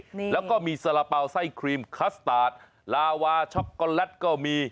นี่แล้วก็มีสาระเป๋าไส้ครีมคัสตาร์ทลาวาช็อกโกแลตก็มี